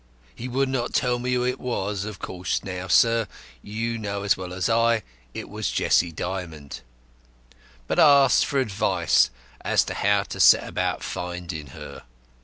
He would not tell me who it was of course now, sir, you know as well as I it was Jessie Dymond but asked for advice as to how to set about finding her.